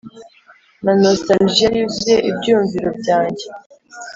na nostalgia yuzuye ibyumviro byanjye.